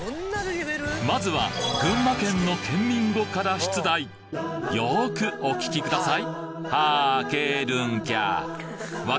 まずは群馬県のケンミン語から出題よくお聞きください